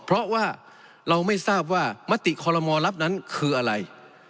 เพราะว่าเราไม่ทราบว่ามติขอรมศาลลัพธ์นั้นคืออะไร